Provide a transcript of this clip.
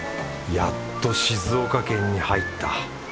やっと静岡県に入った。